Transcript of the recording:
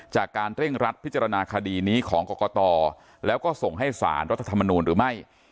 จากการเร่งรัดพิจารณาคดีนี้ของกรกตแล้วก็ส่งให้สารรัฐธรรมนูลหรือไม่